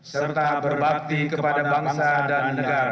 serta berbakti kepada bangsa dan negara